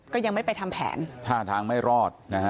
ก็ยังไม่ไปทำแผน๕ทางไม่รอด